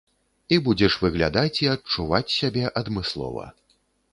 І будзеш выглядаць і адчуваць сябе адмыслова.